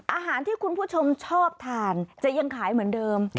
อาหารที่คุณผู้ชมชอบทานจะยังขายเหมือนเดิม